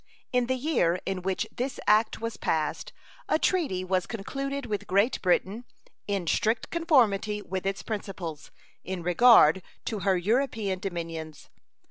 In the year in which this act was passed a treaty was concluded with Great Britain, in strict conformity with its principles, in regard to her European dominions.